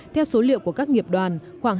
theo số liệu của các nghiệp đoàn